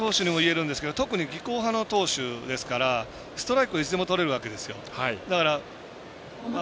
どの投手にも言えるんですけど特に技巧派の投手ですからストライクいつでもとれるわけですよ。